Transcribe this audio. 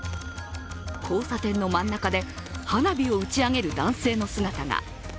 交差点の真ん中で花火を打ち上げる男性の姿が。